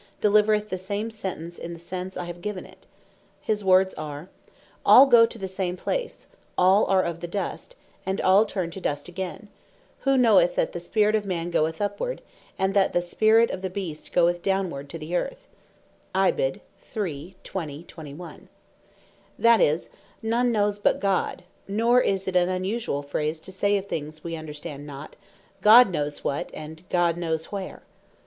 3. ver. 20,21.) delivereth in the same sentence in the sense I have given it: His words are, "All goe, (man and beast) to the same place; all are of the dust, and all turn to dust again; who knoweth that the spirit of Man goeth upward, and the spirit of the Beast goeth downward to the earth?" That is, none knows but God; Nor is it an unusuall phrase to say of things we understand not, "God knows what," and "God knows where."